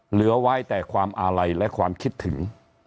เหลือไว้แต่ความอาลัยและความคิดถึง